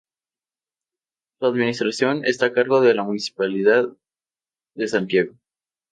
Su administración está a cargo de la Municipalidad de Santiago.